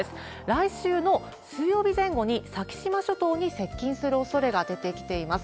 来週の水曜日前後に、先島諸島に接近するおそれが出てきています。